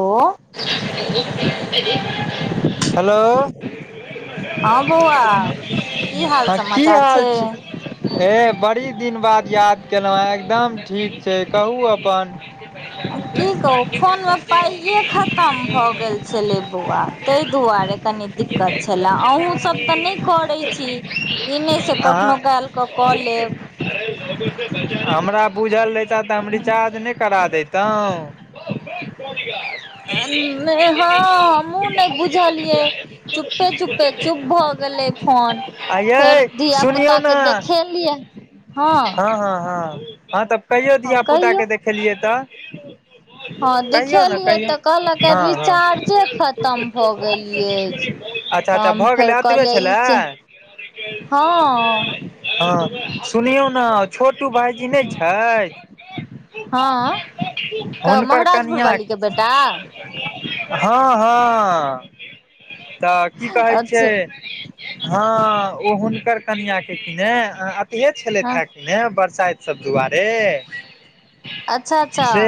ओ hello हँ बौआ की हाल समाचार छै ए बड़ी दिन बाद याद केलहुँ है एकदम ठीक छै कहू अपन आब की कहू फोनमे पाइये खतम भऽ गेल छलै बौआ ताहि दुआरे कनि दिक तब छलए अहूँ सब तऽ नहि करै छी ई नहि से अहाँ कखनो काल कऽ क लेब हमरा बुझल रहिता तऽ हम रिचार्ज नहि करा देैतहुँ हँ हमहु ने बुझलियै चुपे चुपे चुप भ गेलै फोन आ फेर यै धिय सुनियौ पुता ने के देखेलियै हँ हँ हँ हँ तऽ कहियो हँ धियापुताके कहियौ देखेलियै तऽ हँ देखिलियए तऽ कहलक ह ह रिचार्जे खतम भऽ गेल अछि अच्छा तऽ त हम भऽ फेर गेलै आब एतबे कहलियै ई छलै से हँ हँ सुनियौ ने छोटू भायजी नहि छै हँ क महाराजपुर कनियाँ बाली के बेटा हँ हँ तऽ की कहै अच्छा छियै हँ ओ हुनकर कनिआँके किने अथि छलथि हँ हे नहि बरसाइत सब दुआरे अच्छा अच्छा से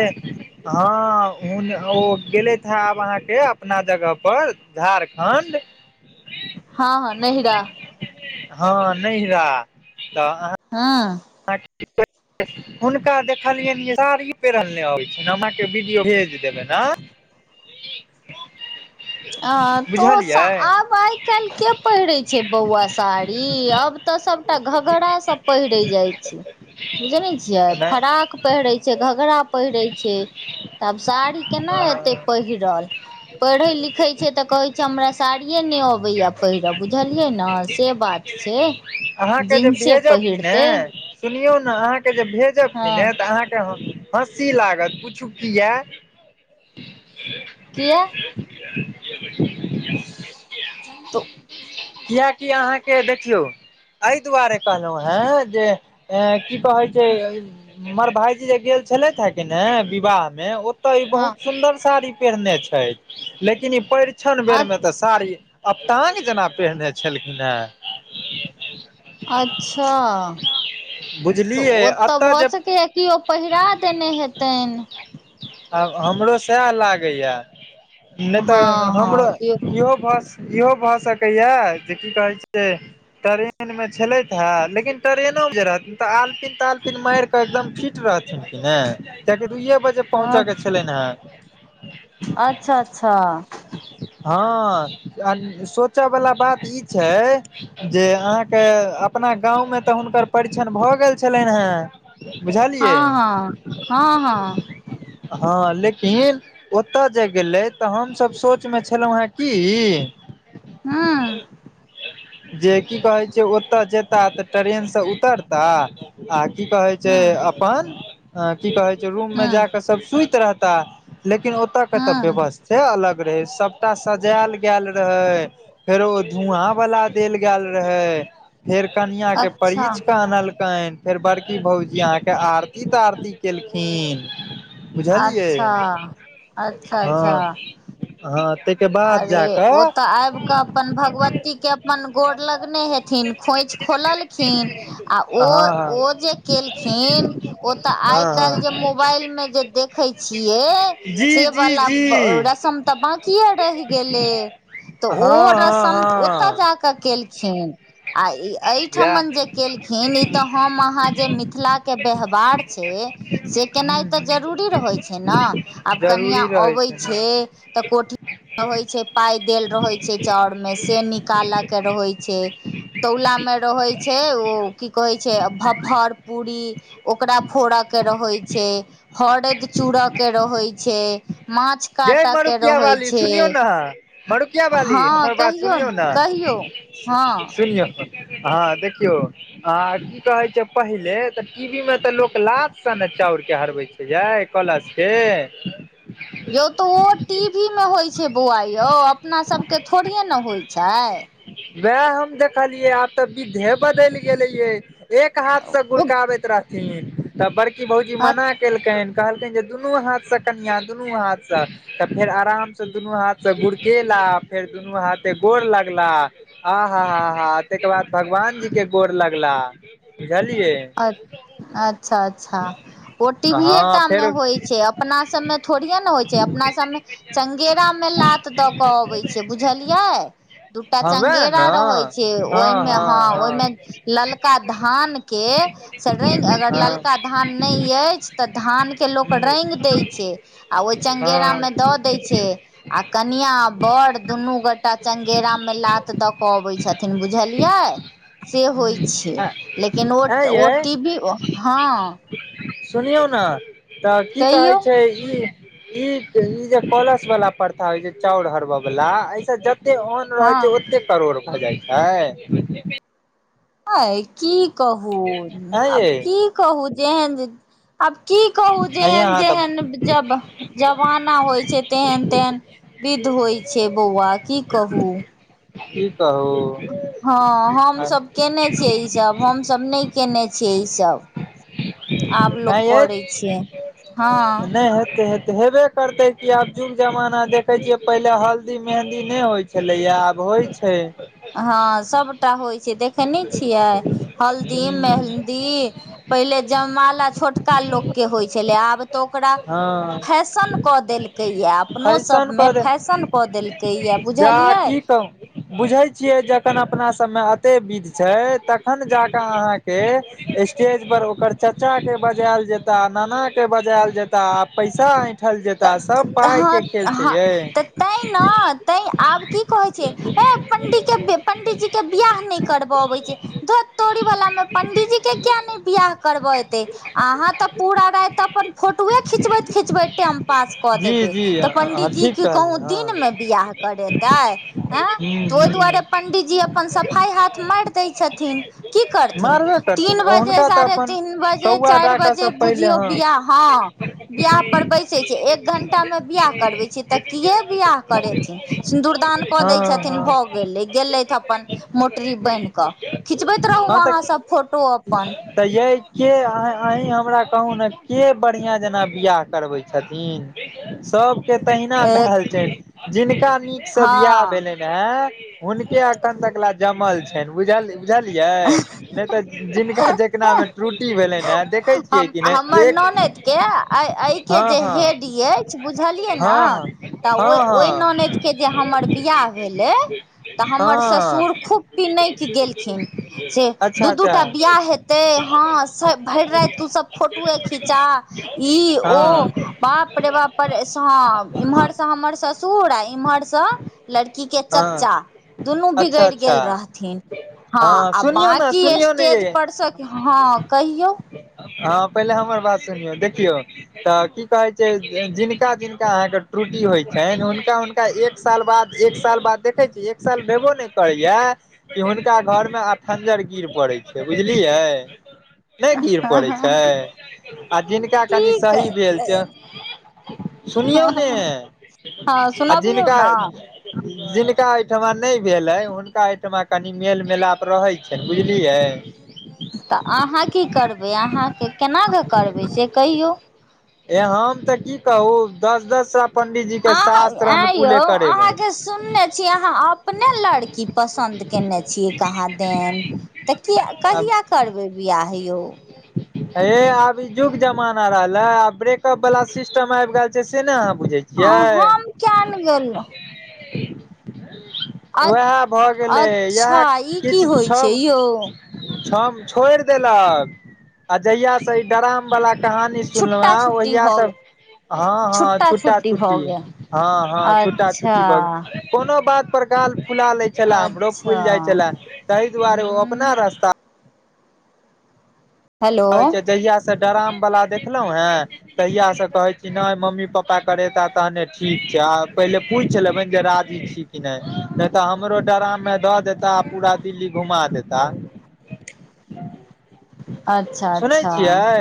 हँ हून ओ गेलैथहै आब अहाँके अपना जगह पर झारखण्ड हँ हँ नहिरा हँ नहिरा तऽ अह हँ हँ ठीक [unintelligible] हुनका देखलियनि साड़ी पेरल अबै छैश हम कहां के वीडियो भेज देब देब ने [inaudible] अ तो बुझलियै आब आ आइ काल् के पहिरे छै बौआ साड़ी अब तऽ सबटा घघड़ा सब पहिरे जाय छै बुझै नै छियै नहि फराक पहिरै छै घघरा पहिरै छै त आब साड़ी केना एतै हँ पहिरल पढ़े लिखै छै तऽ कहैत छै हमरा साड़िए नहि अबैया पहिरब बुझलियै ने से बात छै छै आहाँके जे भेजब ने सुनियौ ने आहाँके जे भेजब हँ किने तऽ आहाँके हम हँसी लागत पूछू की किया किया क [inaudible] तऽ कीयाकि अहाँके देखियौ एहि दुआरे कहलौ हें जे की कहै छै हमर भाईजी जे गेल छलै हे किने विवाह मे तऽ ई हँ बहुत सुदर साड़ी पहिरने छै लेकिन ई परीछन अ बेर में तऽ साड़ी अपटांग जेना पहिरने छलखिन हे अच्छा तऽ बुझलियै ओ तऽ एतऽ भऽ जे सकैए कि ओ पहिरा देने हेतेन आब हमरो सएह लागैए नहि हँ तऽ हमरो हँ केओ इहो भष इहो भऽ सकैया जे की कहै छै ट्रेन मे छलैत हे लेकिन ट्रेनो जे रहतै तऽ आलपिन तालपिन मार एकदम फिट रहथिन ने कियाकि दुए बजे पहुँचै के छलेन हें अच्छा अच्छा हँ आ सोचयवला बात ई छै जे अहाँके अपना गाँवमे तऽ हुनकर परीक्षण भ गेल छलनि हँ बुझलियै हँ हँ हँ हँ हँ लेकिन ओतय जे गेलै तऽ हमसभ सोचमे छलहुँ हे की हँ जे की कहै छै ओतौ जेताह तऽ ट्रेनसँ उतरता आ की कहै छै हूँ अपन की कहैत छै रूममे जा हूँ कऽ सभ सुति रहता लेकिन ओतयके तऽ हूँ व्यवस्थे अलग रहै सभटा सजायल गेल रहै फेर ओ धुआँ वला देल गेल रहै फेर कनिया के अच्छा परिछ क आनलकैन फेर बड़की भौजी आँहा के आरती तरती केलखिन बुझलियै अच्छा अच्छा हँ अच्छा हँ त के बाद जा कऽ केऽ अपन भगवती के अपन गोर लगने हेथिन खोंइछि खोलल खिन हँ हँ ओ जे केलखिन् ओ त आय हँ हँ कायल मोबाईल में जे देखे छियए जी से जी वला जी रसम तऽ बकए रहि गेलै तऽ ओ हँ हँ रसम ओतय हँ जाकऽ केलखिन आ कि इएह ठमन जे केलखिन ई तऽ हम आहाँ जे मिथिलाके व्यवहार छै से केनाइ हूँ तऽ हूँ जरूरी रहैत छै ने आब कनिआ जरूरी रहै अबैत छै हँ तऽ कोठी रहै छै पाय देल रहे छै चाउर मे से निकालऽ के रहै छै तौलामे रहैत छै ओ की कहैत छै भफर पूरी ओकरा फोड़यके रहै छै हरदि चूड़यके रहै छै माछ ये काटऽ के मरूकिया रहै वाली छै सुनियौ ने मरुकिया बाली हँ हमर बात कहियौ सुनियौ ने कहियौ हँ हँ देखियौ की कहै छै पहिले तऽ टीबी में तऽ लोक लाद से ने चाउर के हरबे छै य कलश के यौ तऽ ओ टी वी मे होइत छै बौआ यौ अपना सबके थोड़े ने होइत छै वएह हम देखलियै आब तऽ विधे बदलि गेलेे एक हाथ से ओ गुड़काबैत रहथिन तब बड़की भौजी मना क केलकैन कहलैकैन जे दुनू हाथ से कनिया दुनू हाथ से तऽ फेर आराम से दुनू हाथ त गुड़केेला फेर दुनू हाथे गोर लगला आहा आ हा तकर बाद भगवान जी के गोर लगला बुझलियै अ अच्छा अच्छा ओ हँ टीवीएटा मे फेरो होइ छै अपना सबमे थोड़ए ने होइ छै अपना सबमे चंगेरा मे लात दऽ केऽ अबै छै बुझलियै दूटा हँ वएह चंगेरा न रहै छै ओहिमे हँ ओहिमे ललका धान के स रंग अगर हँ ललका त धान नहि अछि तऽ धानके लोक रैंग दै छै आ ओ हँ चंगेरा हँ मे दऽ दै छै आ कनिया बड़ दुनू गोटा चंगेरा मे लात दऽ कऽ अबैत छथिन न बुझलियै से होइ छै लेकिन ओ ऐं ओ यै टी वी हँ सुनियौ ने तऽ की कहै कहियौ छै ई ई ई जे कलश वाला प्रथा होय छै चाउर हरबे वाला अय स जते अन रहै छै हँ ओते करोड़ भऽ जाइत छै अ की कहू ऐं आब यै की कहू जेहन आब की कहू हैया जेहन अहाँ तऽ जेहन जब जमाना होइ छै तेहन तेहन विध होइ छै बौआ की कहू की कहु हँ हमसभ केने छियै ईसभ हमसभ नहि कने छियै ईसभ आब ऐं लोक यैं करै नहि छै हँ नहि होेतै हेतै हेबै करतै की आब जुग जमाना देखे छियै पहिले हल्दी मेहंदी नहि होइ छलैया आब होइ छै हँ सभटा होइ छै देखेने छियै हल्दी हूँ मेहन्दी पहिले जयमाला छोटका लोकके होइ छलै आब तऽ ओकरा हँ फैशन कऽ देलकै यए अपनो फैशन सभमे कऽ दे फैशन कऽ देलकै यए बुझलियै बुझैत छियै जखन अपना सभमे अते विध छै तखन जा कऽ अहाँके स्टेज पर ओकर चाचा के बजायल जेता नाना के बजायल जेता आ पैसा ऐंठल जेता सभ पाइके खेल छै यै तै ने तै आब की कहैत छै ह पंडित के पंडितजी के बियाह नहि कर आबैत छै धत तोरी वाला मे पंडीजी के किया नहि बियाह करबे एते अहाँ तऽ पूरा राति अपन फोटोए खिचबैत खिचबैत टेम पास कऽ जी देबे जी तऽ पंडीजी ठीक की कहूँ कहलियै दिन हँ मे बियाह करेतै हँ हूँ तऽ ओहि दुआरे हूँ पण्डीजी अपन सफाइ हाथ मारि दैत छथिन की करथिन मारबे करथिन तीन बजे हुनका तऽ साढ़े अपन तीन बजे कौआ चारि डाका बजे सब पहिले बुझियौ बियाह हँ बियाह पर बैसे छै एक घंटा में बियाह करबै छै तऽ किए बियाह करेथिन सिन्दूरदान कऽ हँ दै हँ छथिन भऽ गेलै गेलथि अपन हँ मोटरी बान्हि कऽ खिचबैत हँ रहू तऽ अहाँसभ फोटो अपन तऽ ये के आँही हमरा कहु ने के बढ़िया जेना बियाह करबै छथिन सब के तहिना भेल छेन जिनका नीकसँ बियाह हँ भेलेन ऐं हुनके अखन तक ल जमल छनि बुझ बुझलियै नहि तऽ जिनका जकनामे त्रुटि भेलेन है देखै छियै हम कि हमर नहि एक ननद के ऐ ऐ के हँ जे हँ हेड अछि बुझलियै ने हँ हँ तऽ ओहि ओहि हँ ननद के जे हमर बियाह भेलै तऽ हँ हमर हँ ससुर खूब पिनैक गेलखिन से अच्छा दू दू अच्छा टा बियाह हे ते हँ भरि राति तू सब फोटोए खीचा इ ओ हँ बाप रे बाप रे बाप परेशान इम्हर से हमर ससुर आ इम्हर लड़की के हँ चच्चा दुनू अच्छा बिगैड़ अच्छा गेल रहथिन हँ आ सुनियौ ने बाकी सुनियौ ने स्टेज यै पर से हँ कहियौ हँ पहिले हमर बात सुनियौ देखियौ तऽ की कहैत छै जिनका जिनका अहाँके त्रुटि होइ छनि हुनका हुनका एक एक साल बाद एक साल बाद देखै छी एक साल भेबो नहि करैया कि हुनका घरमे आखंजर गिर पड़ैत छै बुझलियै नहि गिर ह पड़ैत छै आ जिनका कनि ठीक सही भेल छै सुनियौ ने हँ आ सुनबियौ जिनका ने जिनका ओहिठमा नहि भेलै हुनका ओहिठमा कनि मेल मिलाप रहैत छनि बुझलियै तऽ अहाँ की करबै अहाँके केनाकऽ करबै से कहियौ ए हम तऽ की कहू दस दस से ऐह ऐं यौ अहाँके सुनने छी अहाँ अपने लड़की पसन्द केने छियै कहाँ देन तऽ किया आब कहिया करबै बियाह यौ [inaudible] हये आब युग जमाना रहले आ ब्रेकअप वाला सिस्टम आबि गेल छै से ने अहाँ बुझे छी आ हम कीयाने गेलहु अ उएह भऽ गेलै इएह अच्छा ई किछ की होइ छै छभ यौ छब छोड़ि देलक आ जहिया से ई डराम वला कहानी सुनलहु छुट्टा हें छुट्टी ओहिया भऽ से गेल हँ हँ छुट्टा छुटा भऽ छुट्टी गेल हँ हँ छुटा अच्छा छुट्टी भ कोनो बात पर गाल फुला लै छले हमरो अच्छा फुलि जाय छलै तहि दुआरे ओ अपना हूँ रास्ता हेलो जहिया से डराम वाला देखलहुं है तहिया से कहे छी न मम्मी पापा के करेता तहने ठीक छै पहिले पूछि लेबैन जे राजी छी कि नहि तऽ हमरो डराम में दऽ देता पूरा दिल्ली घुमा देता अच् सुनै छियै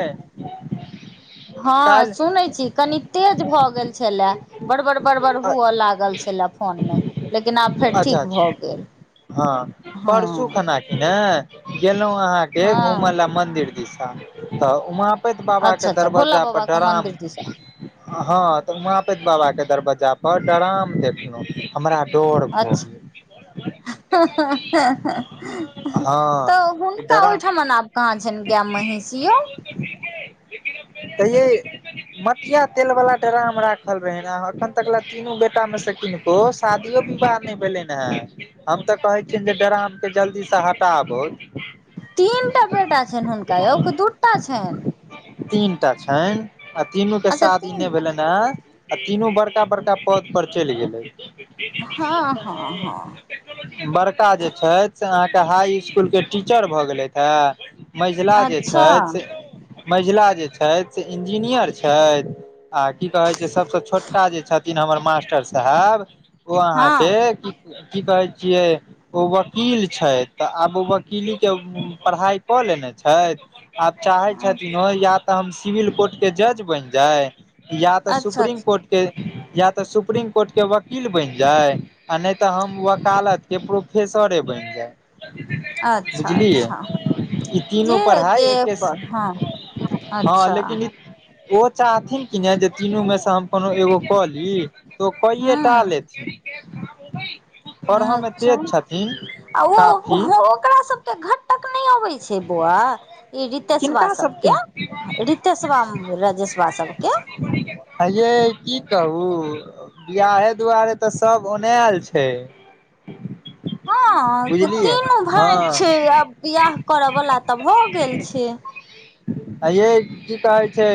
हँ काल्हि सुनैत छी कनी तेज भऽ गेल छलए बड़बर बड़बर हुअ लागल छऽले फोनमे लेकिन आब फेर अच्छा ठीक भऽ अच्छा गेल हँ परसू हँ खना किने गेलहुं अहाँके हँ घुमय ल मंदिर दिशा तऽ वहाँ पैत बाबा के अच्छा अच्छा भोला दरवाजा पर बाबाके डराम मन्दिर दिसा आ हँ तऽ वहापैत बाबा के दरवजा पर डराम देखलहु हमरा डोर र [inaudible] हं हऽ ह ऽ हँ तऽ ई हुनका डराम ओहिठमन आब कहां छैन गेऽ महिष यौ [inaudible] तऽयै मटिया तेल वाला ड्राम राखल रहे एखन तक ल तीनू बेटा मे से किनु ओ शादियो विवाह नहि भेलैन हँ हम तऽ कहै छियनि जे ड्रामके जल्दी से हटाबोथ तीन टा बेटा छैन हुनका यौ की दूटा छैन तीनटा छनि आ तीनू के अच्छा शादी नहि तीन भेलनि हें आ तीनू बड़का बड़का पद पर चलि गेलै ीदी [unintelligible] टी भी हँ लगता हँ हँ है बड़का जे छथि से अहाँके हाई स्कूल के टीचर भऽ गेलैथा मझीला जे अच्छा छथि से महिला जे छथि से इंजीनियर छथि आ की कहै छै सभसँ छोटका जे छथिन हमर मास्टर साहेब ओ अहाँके हँ की कहै छियै ओ वकील छै तऽ आब ओ वकील के पढ़ाइ कऽ लेने छै आब चाहे छथिन तऽ हम सिविल कोर्ट के जज बन जाय या तऽ अच्छा सुप्रीम कोर्ट के या तऽ सुप्रीम कोर्ट के वकील बेन जाय आ नहि तऽ हम वकालत के प्रोफेसरे बनि जायब। अच्छा अच्छा ई जे तीनो पढ़ाइ जे एके अपन हँ हँ अच्छा लेकिन ई ओ चाहथिन कि ने जे तीनू मे से हम कोनो एगो कऽ ली तो कईयटा हँ लेथि अच्छा तेज छथिन आ ओ काफी ओकरा सबके घटक नहि [unintelligible] नहि अबै छै बौआ ई रितेशवा सबके रितेशबा रजेशबा सबके हये की कहू बिआहे दुआरे तऽ सब औनायल छै हाँ से बुझलियै तीनू भाई छै आ हँ बियाह करऽ वाल तऽ भए गेल छै हाँ ये की कहे छै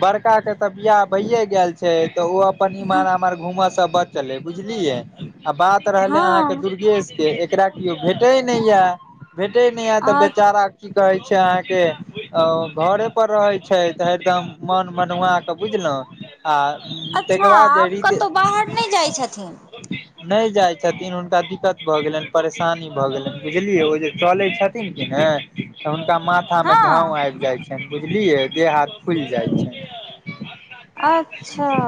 बड़का के तऽ बियाह भैए गेल छै छै तऽ ओ अपन इमार आमार घूमऽ से बचलै बुझलियै। आ बात रहलै हँ अहाँके दुर्गेशके एकरा केओ भेटै नहि य भेटै नहि है आ तऽ बेचारा की कहै छै अहाँके घरे पर रहै छै तऽ हरदम मन मनुआ क बुझलौ आ अच्छा ताहिके बाद आब रीते कतहु बाहर नहि जाइ छथिन नहि जाइ छथिन हुनका दिक्कत भऽ गेलनि परेशानी भऽ गेलनि बुझलियै ओ जे चलै छथिन ने तऽ हुनका माथा मे झाव हँ आब जाइ छै बुझलियै देह हाथ फुल जाइ छै अच्छा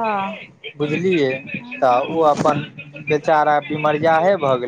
बुझलियै तऽ ऊ अपन बेचारा बिमरिया भए गेलै